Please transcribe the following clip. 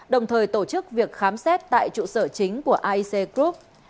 đồng thời tổ chức việc khám xét tại trụ sở chính của aec group